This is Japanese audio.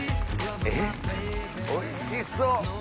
えっおいしそう。